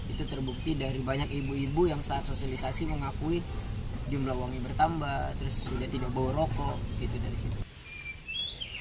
itu terbukti dari banyak ibu ibu yang saat sosialisasi mengakui jumlah uangnya bertambah terus sudah tidak bawa rokok gitu dari situ